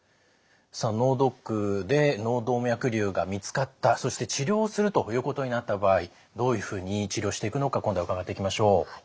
さあ脳ドックで脳動脈瘤が見つかったそして治療するということになった場合どういうふうに治療していくのか今度は伺っていきましょう。